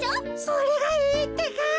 それがいいってか。